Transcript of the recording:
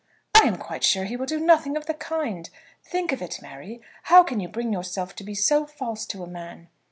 "I am quite sure he will do nothing of the kind. Think of it, Mary. How can you bring yourself to be so false to a man?"